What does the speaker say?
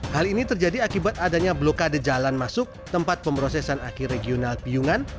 hal ini terjadi akibat adanya blokade jalan masuk tempat pemrosesan aki regional piungan